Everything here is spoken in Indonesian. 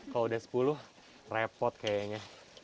kalau udah sepuluh repot kayaknya